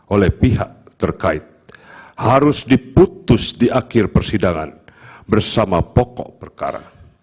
oleh pihak terkait harus diputus di akhir persidangan bersama pokok perkara